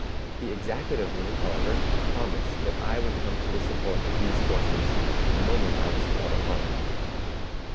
He exacted of me, however, a promise that I would come to the support of these forces the moment I was called upon.